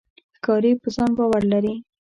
ښکاري په ځان باور لري.